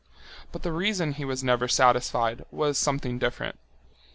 But the reason he was never satisfied was something different.